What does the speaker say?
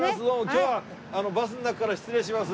今日はバスの中から失礼します。